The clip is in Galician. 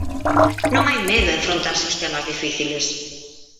Non hai medo a enfrontarse aos temas difíciles.